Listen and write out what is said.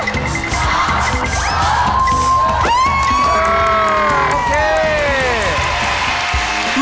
โอเค